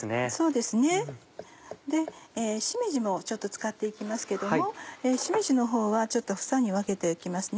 でしめじもちょっと使って行きますけどもしめじのほうは房に分けておきますね。